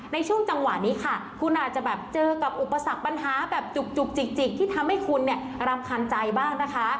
ในช่วงจังหวะนี้ค่ะคุณอาจจะแบบเจอกับอุปสรรคปัญหาแบบจุกจิกที่ทำให้คุณเนี่ยรำคาญใจบ้างนะคะ